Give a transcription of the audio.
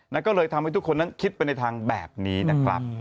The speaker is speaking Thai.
แล้วก็เลยทำให้ทุกคนนั้นคิดไปในทางแบบนี้นะครับ